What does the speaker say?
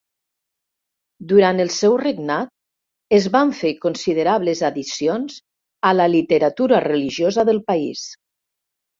Durant el seu regnat es van fer considerables addicions a la literatura religiosa del país.